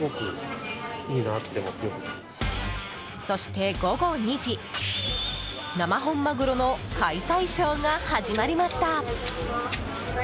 そして、午後２時生本マグロの解体ショーが始まりました！